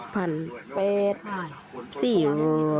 พันเป็ดห้ายสี่เออ